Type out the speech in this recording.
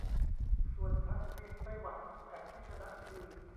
ส่วนทางทีมไต้หวันแอปที่ชนะคือ